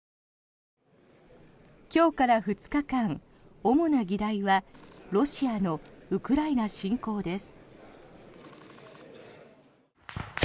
今日から２日間、主な議題はロシアのウクライナ侵攻です。